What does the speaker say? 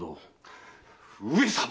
上様！